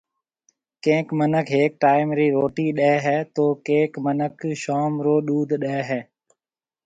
ڪئينڪ منک هيڪ ٽائيم رِي روٽي ڏيَ هيَ تو ڪئينڪ منک شوم رو ڏُوڌ ڏيَ هيَ